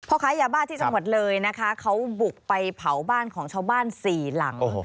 ค้ายาบ้าที่จังหวัดเลยนะคะเขาบุกไปเผาบ้านของชาวบ้านสี่หลัง